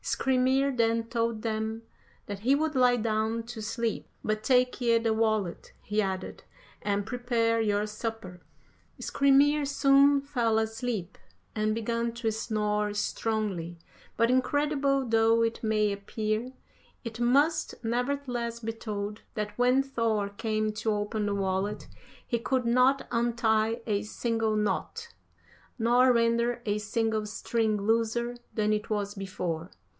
Skrymir then told them that he would lie down to sleep. 'But take ye the wallet,' he added, 'and prepare your supper.' "Skrymir soon fell asleep, and began to snore strongly, but incredible though it may appear, it must nevertheless be told, that when Thor came to open the wallet he could not untie a single knot, nor render a single string looser than it was before.